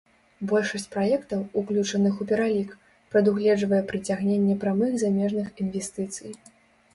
Большасць праектаў, уключаных у пералік, прадугледжвае прыцягненне прамых замежных інвестыцый.